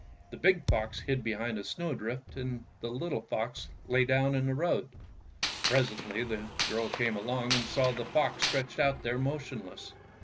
The big fox hid behind a snow drift, and the little fox lay down in the road. Presently the girl came along and saw the fox stretched out there motionless.